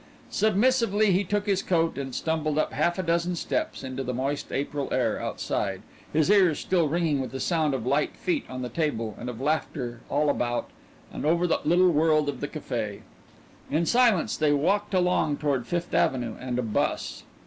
Submissively he took his coat and stumbled up half a dozen steps into the moist April air outside, his ears still ringing with the sound of light feet on the table and of laughter all about and over the little world of the café. In silence they walked along toward Fifth Avenue and a bus.